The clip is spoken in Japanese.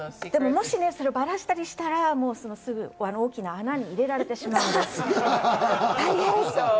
もし、それをばらしたりしたら、すぐに大きな穴に入れられてしまうんです。